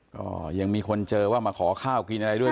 ก็ยังมีคนเจอว่ามาขอข้าวกินอะไรด้วย